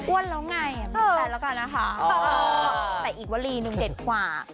อ้วนแล้วไงอีกวัตรดีหนึ่งเจ็ดขวา